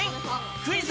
クイズ！